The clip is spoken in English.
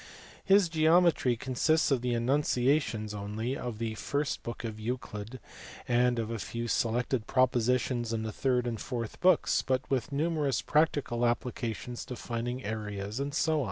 His Geometry consists of the enunciations (only) of the first book of Euclid, and of a few selected propositions in the third and fourth books, but with numerous practical applications to finding areas, <fec.